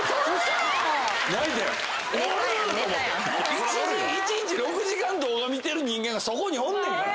１日６時間動画見てる人間がそこにおんねやから。